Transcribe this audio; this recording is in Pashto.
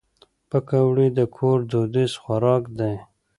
پکورې د کور دودیز خوراک دی